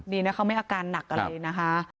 ดีนะเขาไม่อาการหนักอะไรนะคะ